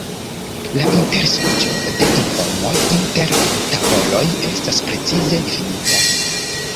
La interŝanĝo de informoj inter tavoloj estas precize difinita.